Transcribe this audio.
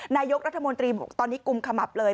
นายกรัฐมนตรีบอกตอนนี้กุมขมับเลย